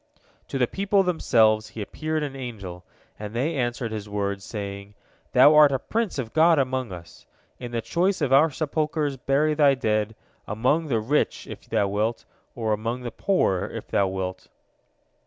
" To the people themselves he appeared an angel, and they answered his words, saying: "Thou art a prince of God among us. In the choice of our sepulchres bury thy dead, among the rich if thou wilt, or among the poor if thou wilt."